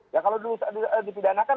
ya kalau dulu dipidanakan